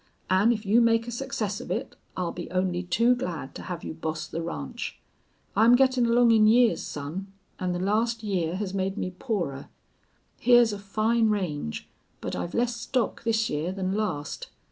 An' if you make a success of it I'll be only too glad to have you boss the ranch. I'm gettin' along in years, son. An' the last year has made me poorer. Hyar's a fine range, but I've less stock this year than last.